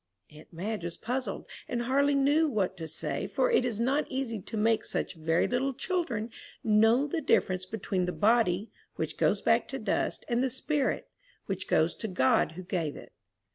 Aunt Madge was puzzled, and hardly knew what to say, for it is not easy to make such very little children know the difference between the body, which goes back to dust, and the spirit, which goes to God who gave it.